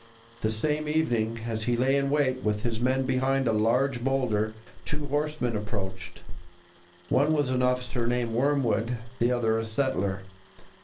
The same evening, as he lay in wait with his men behind a large boulder, two horsemen approached. One was an officer named Wormwood, the other a settler.